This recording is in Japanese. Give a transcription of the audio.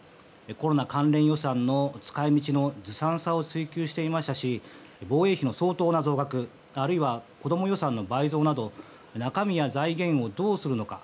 コロナ関連予算の使い方のずさんさを追求していましたし防衛費の相当な増額あるいは子供予算の倍増など中身や財源をどうするのか。